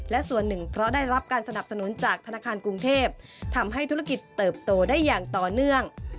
และส่วนหนึ่งเพราะได้รับการสนับสนุนจากธนาคารกรุงเทพทำให้ธุรกิจเติบโตได้อย่างต่อเนื่อง